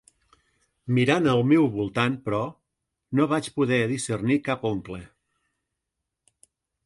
Mirant al meu voltant, però, no vaig poder discernir cap oncle.